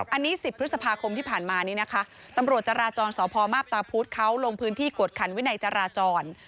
อันนี้๑๐พฤษภาคมที่ผ่านมานี้นะคะตำรวจจราจรสพมาพตาพุธเขาลงพื้นที่กวดขันวินัยจราจร